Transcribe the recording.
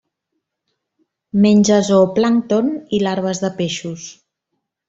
Menja zooplàncton i larves de peixos.